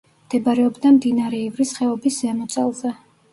მდებარეობდა მდინარე ივრის ხეობის ზემო წელზე.